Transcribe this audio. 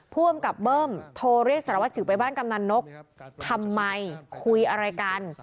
ผู้กำกับเบิ้มโทรเรียกสารวัสสิวไปบ้านกำนันนกทำไมคุยอะไรกัน